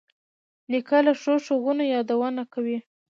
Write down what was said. نیکه له ښو ښوونو یادونه کوي.